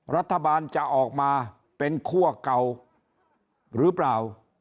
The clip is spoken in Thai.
รัฐบาลจะออกมาเป็นคั่วเก่าหรือเปล่า